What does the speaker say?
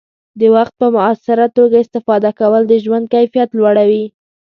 د وخت په مؤثره توګه استفاده کول د ژوند کیفیت لوړوي.